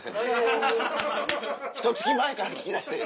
ひと月前から聴き出して。